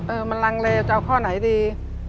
มันลังเลจะเอาข้อไหนดี